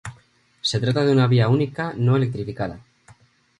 Se trata de una vía única no electrificada.